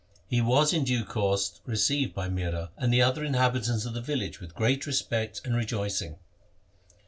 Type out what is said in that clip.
He was in due course received by Mihra and the other inhabitants of the village with great respect and rejoicing.